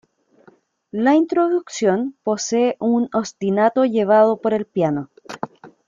La introducción posee un ostinato llevado por el piano.